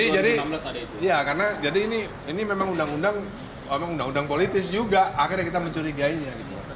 jadi ini memang undang undang politis juga akhirnya kita mencurigainya